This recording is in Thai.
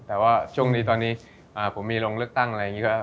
แต่ว่าช่วงนี้ตอนนี้ผมมีลงเลือกตั้งอะไรอย่างนี้